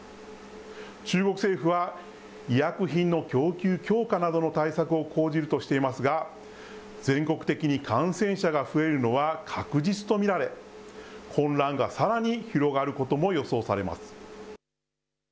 中国政府は、医薬品の供給強化などの対策を講じるとしていますが、全国的に感染者が増えるのは確実と見られ、混乱がさらに広がることも予想されます。